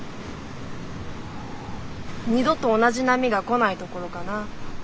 二度と同じ波が来ないところかな。